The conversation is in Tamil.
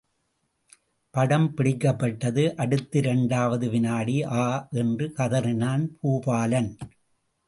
படம் பிடிக்கப்பட்டது அடுத்த இரண்டாவது வினாடி– ஆ! என்று கதறினான் பூபாலன்.